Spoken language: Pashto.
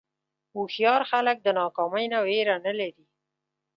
هوښیار خلک د ناکامۍ نه وېره نه لري.